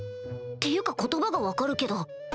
っていうか言葉が分かるけど